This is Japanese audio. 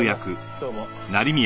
どうも。